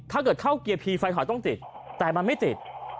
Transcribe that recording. เข้าเกียร์พีไฟถอยต้องติดแต่มันไม่ติด